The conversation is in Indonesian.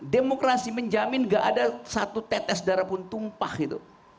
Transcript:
demokrasi menjamin gak ada satu tetes darah pun tumpah gitu